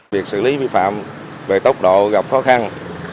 việc xử lý vi phạm về tốc độ gặp khó khăn